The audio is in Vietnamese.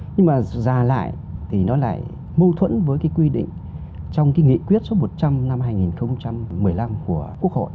nhưng mà già lại thì nó lại mâu thuẫn với cái quy định trong cái nghị quyết số một trăm linh năm hai nghìn một mươi năm của quốc hội